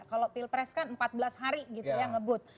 kalau pilpres kan empat belas hari gitu ya ngebut